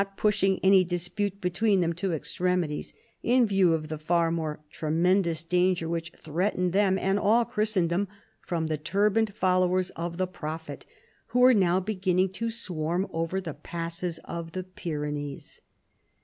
53 pushing any dispute between thein to extremities, in view of the far more tremendous danger which threat ened them and all Christendom from the turbaned followers of the Prophet who were now beginning to swarm over the passes of the Pyrenees.